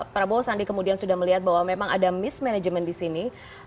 prabowo sandi kemudian sudah melihat bahwa memang ada mismanagement di sini